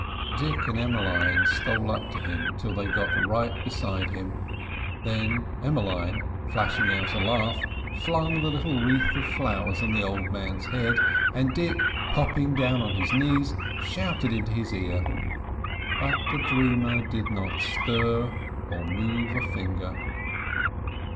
Dick and Emmeline stole up to him till they got right beside him. Then Emmeline, flashing out a laugh, flung the little wreath of flowers on the old man's head, and Dick, popping down on his knees, shouted into his ear. But the dreamer did not stir or move a finger.